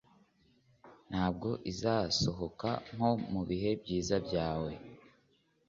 ntabwo izasohoka, nko mubihe byiza byawe